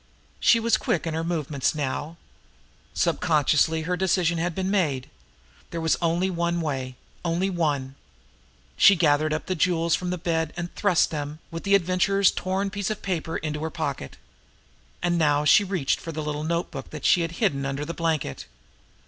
She was quick in her movements now. Subconsciously her decision had been made. There was only one way only one. She gathered up the jewels from the bed and thrust them, with the Adventurer's torn piece of paper, into her pocket. And now she reached for the little notebook that she had hidden under the blanket.